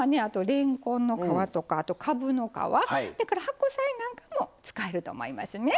れんこんの皮とかあとかぶの皮白菜なんかも使えると思いますね。